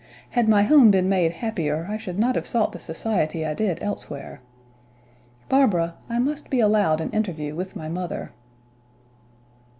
Had my home been made happier I should not have sought the society I did elsewhere. Barbara, I must be allowed an interview with my mother."